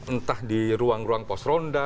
entah di ruang ruang pos ronda